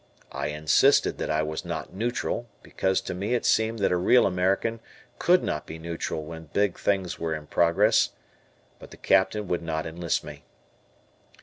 I insisted that I was not neutral, because to me it seemed that a real American could not be neutral when big things were in progress, but the Captain would not enlist me.